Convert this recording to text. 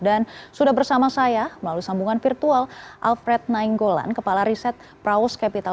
dan sudah bersama saya melalui sambungan virtual alfred nainggolan kepala riset prawos capital